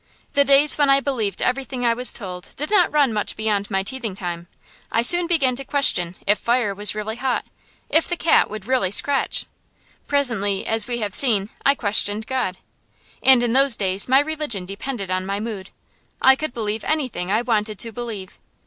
The days when I believed everything I was told did not run much beyond my teething time. I soon began to question if fire was really hot, if the cat would really scratch. Presently, as we have seen, I questioned God. And in those days my religion depended on my mood. I could believe anything I wanted to believe.